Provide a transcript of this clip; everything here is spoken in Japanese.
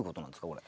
これ。